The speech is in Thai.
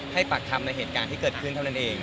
ให้ปากคำในเหตุการณ์ที่เกิดขึ้นเท่านั้นเอง